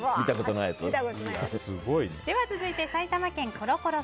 続いて埼玉県の方。